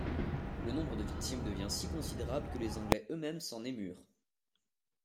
Le nombre des victimes devint si considérable que les Anglais eux-mêmes s'en émurent.